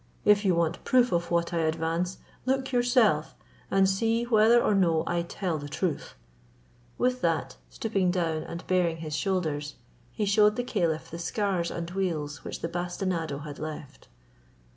If you want proof of what I advance, look yourself and see whether or no I tell you the truth ;" with that, stooping down and baring his shoulders, he shewed the caliph the scars and weals which the bastinado had left.